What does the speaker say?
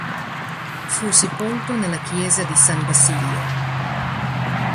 Fu sepolto nella chiesa di San Basilio.